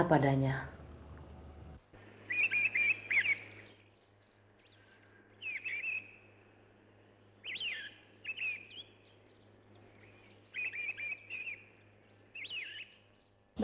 saya akan mencoba